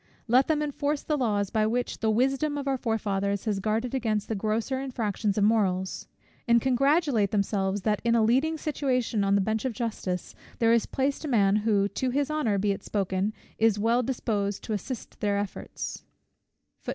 Let them enforce the laws by which the wisdom of our forefathers has guarded against the grosser infractions of morals; and congratulate themselves, that in a leading situation on the bench of justice there is placed a man who, to his honour be it spoken, is well disposed to assist their efforts.